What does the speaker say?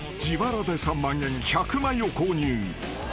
［自腹で３万円１００枚を購入］